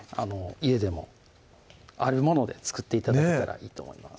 家でもあるもので作って頂けたらいいと思います